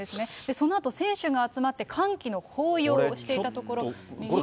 そのあと選手が集まって歓喜の抱擁をしていたところ右ひざを負傷